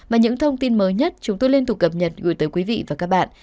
và những thông tin mới nhất chúng tôi liên tục cập nhật gửi tới quý vị và các bạn